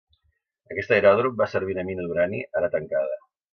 Aquest aeròdrom va servir una mina d'urani ara tancada.